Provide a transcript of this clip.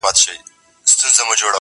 له وطنه څخه لیري مساپر مه وژنې خدایه،